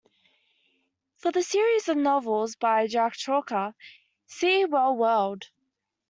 For the series of novels by Jack Chalker see Well World.